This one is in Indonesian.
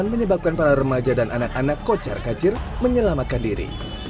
menyebabkan para remaja dan anak anak kocar kacir menyelamatkan diri